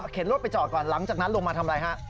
รถไปจอดก่อนหลังจากนั้นลงมาทำอะไรฮะ